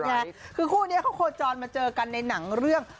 ไงคือคู่นี้เขาโคจรมาเจอกันในหนังเรื่อง